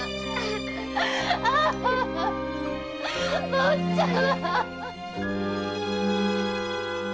坊ちゃま！